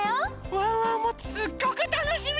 ワンワンもすっごくたのしみにしてました。